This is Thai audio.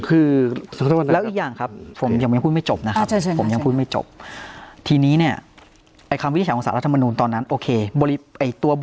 คือขอโทษนะแล้วอีกอย่างครับผมยังไม่พูดไม่จบนะครับ